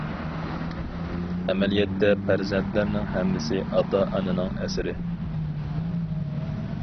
ئەمەلىيەتتە پەرزەنتلەرنىڭ ھەممىسى ئاتا- ئانىنىڭ ئەسىرى.